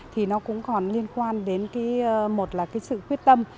thì nó cũng còn liên quan đến một là sự quyết tâm